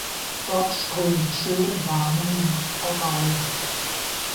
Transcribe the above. Dort strömt schön warme Luft heraus.